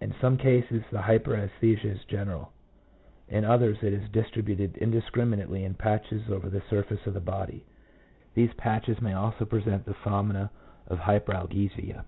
2 In some cases the hyperesthesia is general, in others it is distributed indiscriminately in patches over the surface of the body. 3 These patches may also present the phenomena of hyperalgesia.